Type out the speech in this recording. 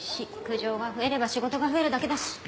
苦情が増えれば仕事が増えるだけだし。